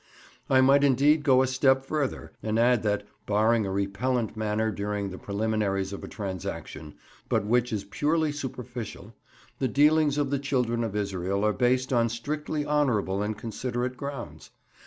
I might indeed go a step further, and add, that, barring a repellent manner during the preliminaries of a transaction, but which is purely superficial, the dealings of the children of Israel are based on strictly honourable and considerate grounds.